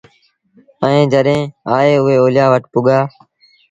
ائيٚݩ جڏهيݩ آئي اُئي اوليآ وٽ پُڳآ